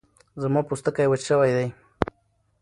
زما پوستکی وچ شوی دی